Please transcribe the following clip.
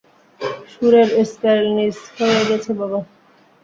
সুরের স্কেল নিচ হয়ে গেছে, বাবা।